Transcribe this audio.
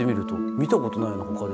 見たことないなほかで。